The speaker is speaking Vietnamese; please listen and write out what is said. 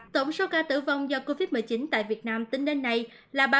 tổng số ca tử vong do covid một mươi chín tại việt nam tính đến nay là ba mươi một sáu trăm ba mươi hai ca